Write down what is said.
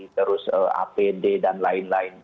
terus apd dan lain lain